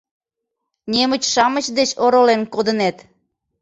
— Немыч-шамыч деч оролен кодынет?